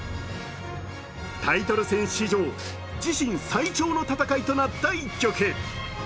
タイトル戦史上、自身最長の戦いとなった一局。